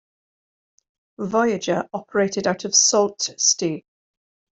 Voyager operated out of Sault Ste.